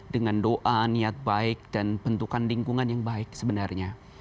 dengan doa niat baik dan bentukan lingkungan yang baik sebenarnya